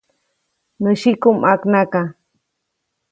Nä syiku ʼmaknaka.